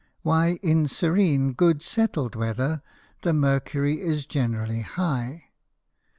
_Why in serene good settled weather the Mercury is generally high?